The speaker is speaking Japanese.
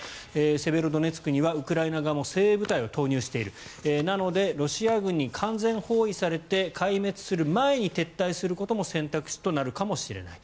セベロドネツクにはウクライナ側も精鋭部隊を投入しているなのでロシア軍に完全包囲されて壊滅する前に撤退することも選択肢となるかもしれない。